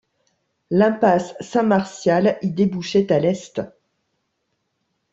L'impasse Saint-Martial y débouchait à l'est.